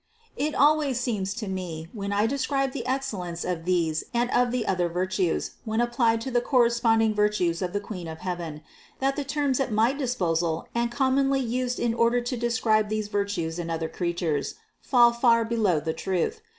586. It always seems to me when I describe the excel lence of these and of the other virtues when applied to the corresponding virtues of the Queen of heaven, that the terms at my disposal and commonly used in order to describe these virtues in other creatures, fall far below the truth.